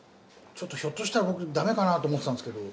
ちょっとひょっとしたら僕駄目かなと思ってたんですけど。